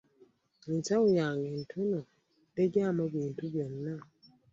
Ensawo yange ntono tejaamu bintu byonna.